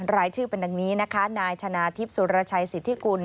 รายชื่อเป็นดังนี้นะคะนายชนะทิพย์สุรชัยสิทธิกุล